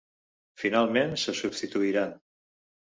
Finalment se substituiran.